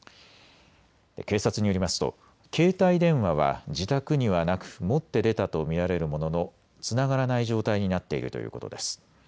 警察によりますと携帯電話は自宅にはなく持って出たと見られるもののつながらない状態になっているということです。